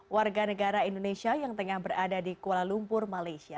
warga negara indonesia yang tengah berada di kuala lumpur malaysia